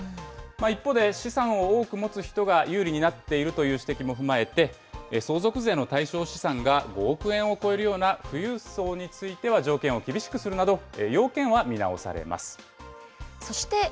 一方で、資産を多く持つ人が有利になっているという指摘も踏まえて、相続税の対象資産が５億円を超えるような富裕層については条件を厳しくするなど、要件は見直されます。